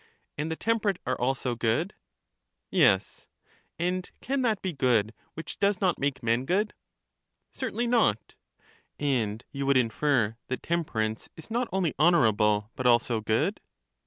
And the temperate are also good? Yes. And can that be good which does not make men good? Certainly not. And you would iij^er that temperance is not only honorable, but also good?